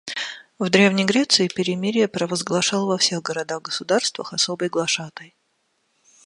В древней Греции перемирие провозглашал во всех городах-государствах особый глашатай.